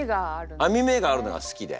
網目があるのが好きで。